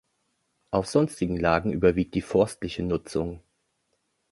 Auf sonstigen Lagen überwiegt die forstliche Nutzung.